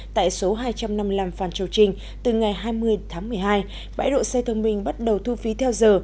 tại số hai trăm năm mươi năm phan châu trinh từ ngày hai mươi tháng một mươi hai bãi độ xe thông minh bắt đầu thu phí theo giờ